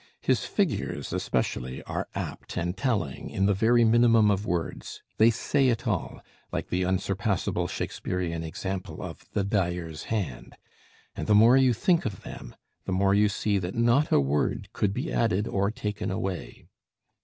His figures especially are apt and telling in the very minimum of words; they say it all, like the unsurpassable Shakespearean example of "the dyer's hand"; and the more you think of them, the more you see that not a word could be added or taken away.